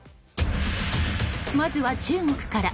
まずは、中国から。